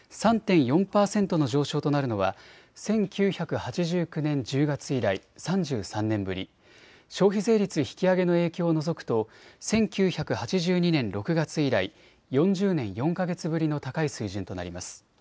３．４％の上昇となるのは１９８９年１０月以来、３３年ぶり、消費税率引き上げの影響除くと１９８２年６月以来、４０年４か月ぶりの高い水準となります。